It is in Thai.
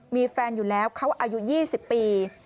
มีแฟนอยู่แล้วเขาอายุ๒๐ปี